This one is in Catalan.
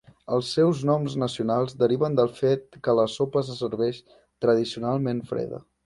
Els seus noms nacionals deriven del fet que la sopa se serveix tradicionalment freda.